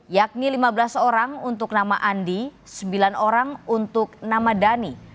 yakni lima belas orang untuk nama andi sembilan orang untuk nama dhani